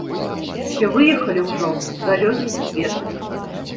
Усе выехалі ўжо ў далёкі свет.